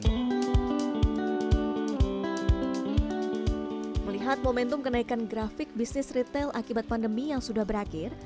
melihat momentum kenaikan grafik bisnis retail akibat pandemi yang sudah berakhir